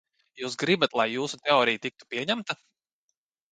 Jūs gribat, lai jūsu teorija tiktu pieņemta?